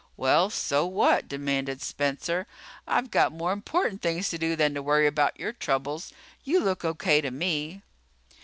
"Well, so what?" demanded Spencer. "I've got more important things to do than to worry about your troubles. You look okay to me."